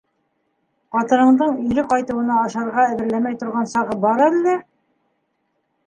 Ҡатыныңдың ире ҡайтыуына ашарға әҙерләмәй торған сағы бар әллә?!